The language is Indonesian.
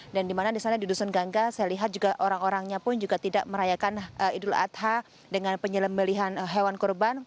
dan di mana di sana di dusun ganggang saya lihat juga orang orangnya pun juga tidak merayakan idul adha dengan penyembelihan hewan kurban